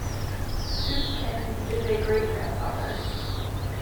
Susskind is a great-grandfather.